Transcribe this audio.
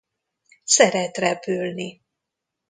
Szeret repülni.